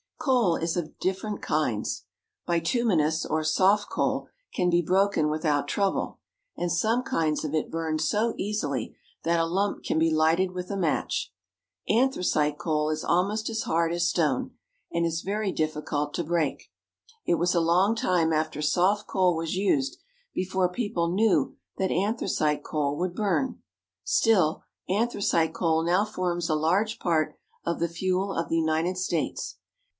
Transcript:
Coal is of different kinds. Bituminous or soft coal can be broken without trouble, and some kinds of it burn so easily that a lump can be lighted with a match. Anthra cite coal is almost as hard as stone, and is very difficult to break. It was a long time after soft coal was used before people knew that anthracite coal would burn. Still, an thracite coal now forms a large part of the fuel of the United States.